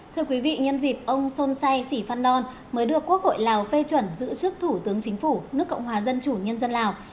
thưa quý vị nhân dịp ông son sai sĩ phan don mới được quốc hội lào phê chuẩn giữ trước thủ tướng chính phủ nước cộng hòa dân chủ nhân dân lào